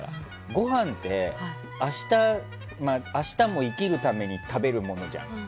ごはんって、明日も生きるために食べるものじゃん。